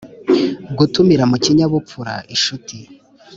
gutumira mu kinyabupfura inshuti,